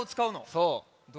そう。